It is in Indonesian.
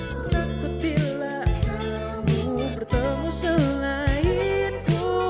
ku takut bila kamu bertemu selain ku